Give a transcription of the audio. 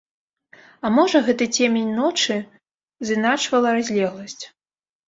А можа, гэта цемень ночы зыначвала разлегласць.